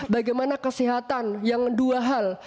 bagaimana kesehatan yang dua hal